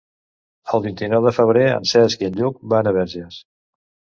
El vint-i-nou de febrer en Cesc i en Lluc van a Verges.